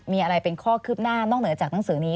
มีอะไรเป็นข้อคืบหน้านอกเหนือจากหนังสือนี้